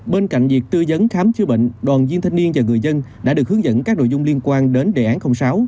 bên cạnh việc tư vấn khám chữa bệnh đoàn viên thanh niên và người dân đã được hướng dẫn các nội dung liên quan đến đề án sáu